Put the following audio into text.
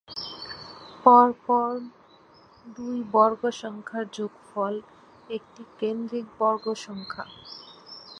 পরপর দুই বর্গ সংখ্যার যোগফল একটি কেন্দ্রিক বর্গ সংখ্যা।